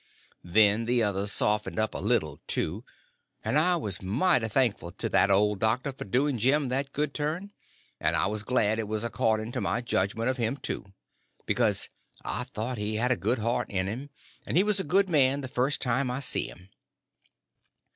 Then the others softened up a little, too, and I was mighty thankful to that old doctor for doing Jim that good turn; and I was glad it was according to my judgment of him, too; because I thought he had a good heart in him and was a good man the first time I see him.